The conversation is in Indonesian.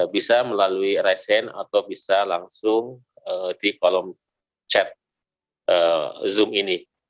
bisa melalui recehan atau bisa langsung di kolom chat zoom ini